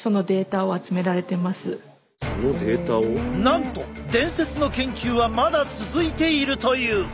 なんと伝説の研究はまだ続いているという！